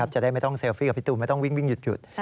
จะได้ไม่ต้องเซลฟี่กับพี่ตูนไม่ต้องวิ่งหยุด